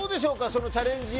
そのチャレンジ